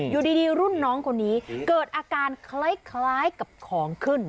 อยู่ดีรุ่นน้องคนนี้เกิดอาการคล้ายกับของขึ้น